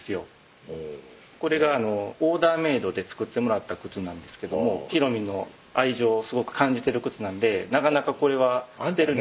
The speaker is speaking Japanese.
これがオーダーメードで作ってもらった靴なんですけどもひろみんの愛情をすごく感じてる靴なんでなかなかこれはあんたね